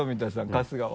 春日は。